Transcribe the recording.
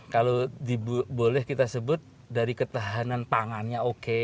kalau boleh kita sebut dari ketahanan pangannya oke